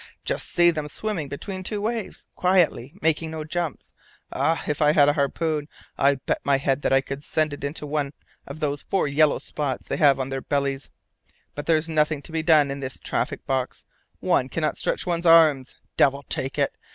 Just see them swimming between two waves, quietly, making no jumps. Ah! if I had a harpoon, I bet my head that I could send it into one of the four yellow spots they have on their bodies. But there's nothing to be done in this traffic box; one cannot stretch one's arms. Devil take it!